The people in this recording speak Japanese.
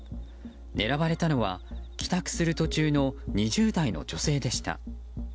狙われたのは帰宅する途中の２０代の女性でした。